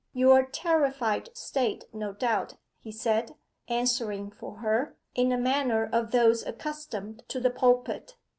'Your terrified state no doubt,' he said, answering for her, in the manner of those accustomed to the pulpit.